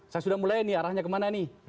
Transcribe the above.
saya sudah mulai nih arahnya kemana nih